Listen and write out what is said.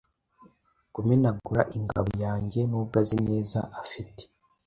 Kumenagura ingabo yanjyenubwo azi neza afite